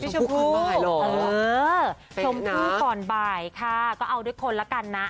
ชมพู่ชมพู่ก่อนบ่ายค่ะก็เอาด้วยคนละกันนะ